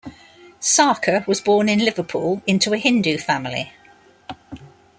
Sarker was born in Liverpool into a Hindu family.